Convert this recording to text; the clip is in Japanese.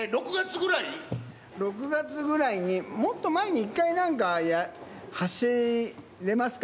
６月ぐらいに、もっと前に一回なんか、走れますか？